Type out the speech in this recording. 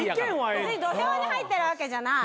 別に土俵に入ってるわけじゃない。